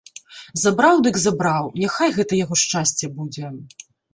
Забраў дык забраў, няхай гэта яго шчасце будзе.